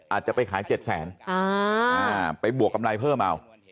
อาจจะไปขาย๗แสนไปบวกกำไรเพิ่มเอา